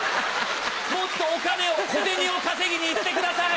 もっとお金を小銭を稼ぎに行ってください！